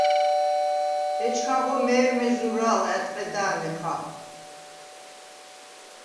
ეჩქანღო მე̄რმე ზურა̄ლ ა̈დყედა̄ნე ხახუ̂დ.